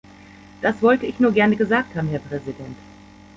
Das wollte ich nur gerne gesagt haben, Herr Präsident.